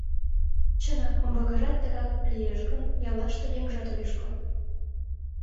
— Чынак, умбакыжат тыгак лиеш гын, яллаште еҥжат огеш код.